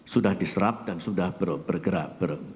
sudah diserap dan sudah bergerak